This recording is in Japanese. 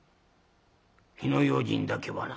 火の用心だけはな」。